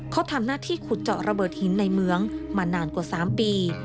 เขาทำหน้าที่ขุดเจาะระเบิดหินในเมืองมานานกว่า๓ปี